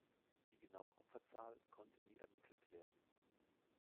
Die genaue Opferzahl konnte nie ermittelt werden.